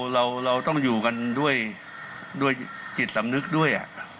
เราต้องอยู่กันด้วยจิตสำนึกด้วย